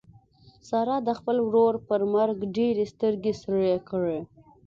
سارا د خپل ورور پر مرګ ډېرې سترګې سرې کړې.